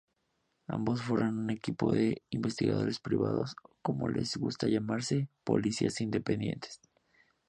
Ambos forman un equipo de investigadores privados, o como les gusta llamarse, "policías independientes".